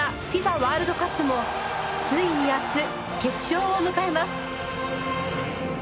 ワールドカップもついに明日決勝を迎えます。